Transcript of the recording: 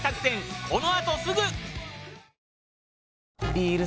ビール